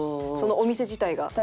そのお店自体が。